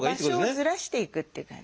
場所をずらしていくっていう感じ。